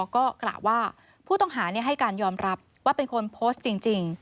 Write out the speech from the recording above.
ก็กล่าวว่าผู้ต้องหาให้การยอมรับว่าเป็นคนโพสต์จริง